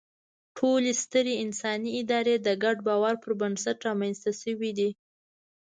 ټولې سترې انساني ادارې د ګډ باور پر بنسټ رامنځ ته شوې دي.